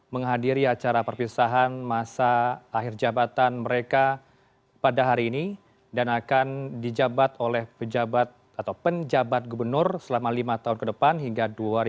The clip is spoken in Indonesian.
menghadiri acara perpisahan masa akhir jabatan mereka pada hari ini dan akan dijabat oleh pejabat atau penjabat gubernur selama lima tahun ke depan hingga dua ribu dua puluh empat